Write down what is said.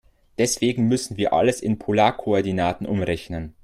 Deswegen müssen wir alles in Polarkoordinaten umrechnen.